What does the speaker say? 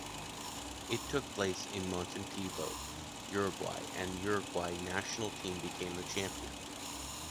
It took place in Montevideo, Uruguay, and Uruguay national team became the champion.